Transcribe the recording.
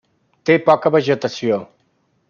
Té poca vegetació.